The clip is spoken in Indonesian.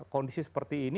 kondisi seperti ini